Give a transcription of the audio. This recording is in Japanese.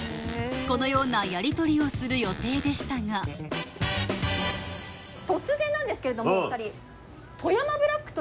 このようなやりとりをする予定でしたが突然なんですけれどもお二人。